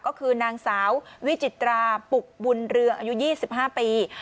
ก็คือนางสาววิจิตราปุกบุญเรืองอายุ๒๕ปี